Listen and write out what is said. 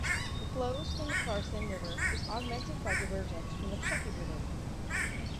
The flows from the Carson River is augmented by diversions from the Truckee River.